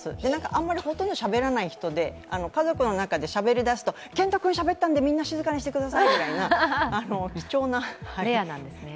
あんまりほとんどしゃべらない人で、家族の中でしゃべり出すと健人君しゃべったんで、みんな静かにしてくださいみたいな貴重な、レアです。